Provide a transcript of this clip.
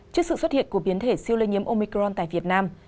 trước sự xuất hiện của biến thể siêu lây nhiễm omicron tại việt nam